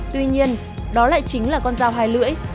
tuy nhiên đó lại chính là con dao hai lưỡi